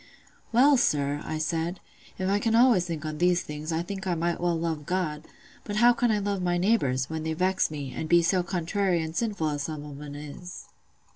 "'Well, sir,' I said, 'if I can always think on these things, I think I might well love God: but how can I love my neighbours, when they vex me, and be so contrary and sinful as some on 'em is?